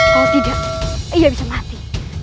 kalau tidak iya bisa mati